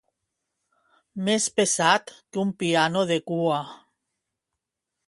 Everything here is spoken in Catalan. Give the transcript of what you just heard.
Més pesat que un piano de cua.